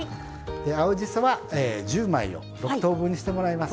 青じそは１０枚を６等分にしてもらいます。